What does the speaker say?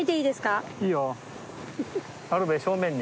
あるべ正面に。